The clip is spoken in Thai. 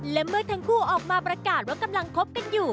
และเมื่อทั้งคู่ออกมาประกาศว่ากำลังคบกันอยู่